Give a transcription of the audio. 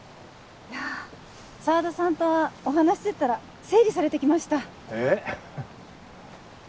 いやあ沢田さんとお話ししてたら整理されてきましたえっ？